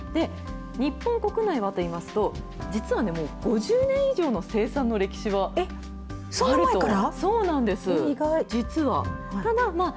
日本国内はといいますと、実はね、もう５０年以上の生産の歴史があそんな前から？